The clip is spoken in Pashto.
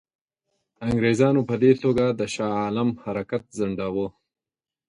انګرېزانو په دې توګه د شاه عالم حرکت ځنډاوه.